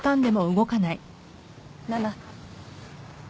奈々。